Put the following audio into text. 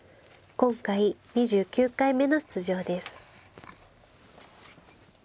今回２９回目の出場です。